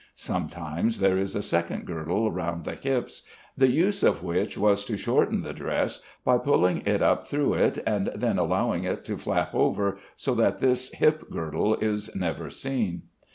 Sometimes there is a second girdle round the hips, the use of which was to shorten the dress by pulling it up through it, and then allowing it to flap over, so that this hip girdle is never seen.